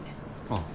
ああ。